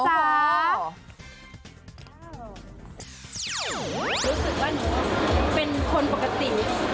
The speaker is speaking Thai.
รู้สึกว่าหนูเป็นคนปกติ